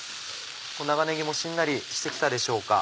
長ねぎもしんなりして来たでしょうか？